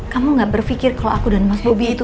kamu gak berpikir kalau aku dan mas bobi itu